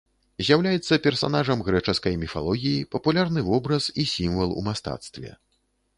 З'яўляецца персанажам грэчаскай міфалогіі, папулярны вобраз і сімвал ў мастацтве.